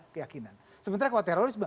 keyakinan sementara kalau terorisme